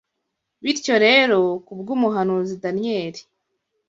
Bityo rero, kubw’Umuhanuzi Daniyeli